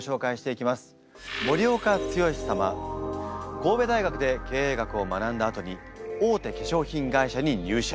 神戸大学で経営学を学んだあとに大手化粧品会社に入社。